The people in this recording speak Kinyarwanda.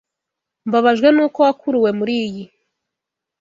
Mbabajwe nuko wakuruwe muriyi.